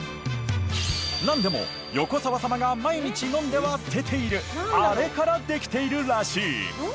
なんでも横澤様が毎日飲んでは捨てているあれからできているらしい。